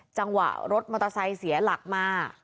จังหวะรถมอเตอร์ไซค์เสียหลักมา